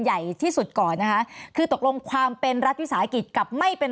ใหญ่ที่สุดก่อนนะคะคือตกลงความเป็นรัฐวิสาหกิจกับไม่เป็น